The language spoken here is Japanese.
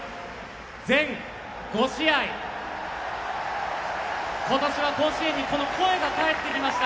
全５試合、今年は甲子園にこの声が帰ってきました。